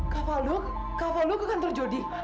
kak paldol kak paldol ke kantor jody